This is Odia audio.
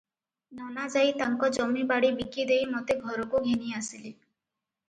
ନନା ଯାଇ ତାଙ୍କ ଜମି ବାଡ଼ି ବିକିଦେଇ ମୋତେ ଘରକୁ ଘେନି ଆସିଲେ ।